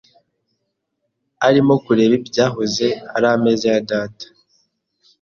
Arimo kureba ibyahoze ari ameza ya data.